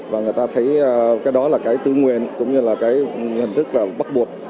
và người ta thấy cái đó là cái tư nguyên cũng như là cái hình thức là bắt buộc